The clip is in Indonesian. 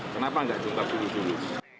kenapa enggak diungkap dulu dulu